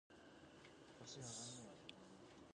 人生とは、予測不可能な出来事の連続ですね。